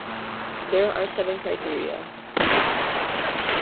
There are seven criteria.